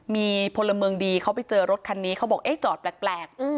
มีพลเมืองดีเขาไปเจอรถคันนี้เขาบอกเอ๊ะจอดแปลก